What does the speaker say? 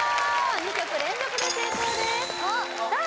２曲連続で成功ですさあ